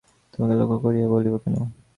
তোমাকে লক্ষ্য করিয়া বলিব কেন?